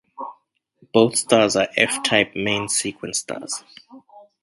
Both stars are F-type main sequence stars.